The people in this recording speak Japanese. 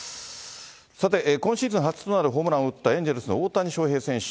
さて、今シーズン初となるホームランを打ったエンゼルスの大谷翔平選手。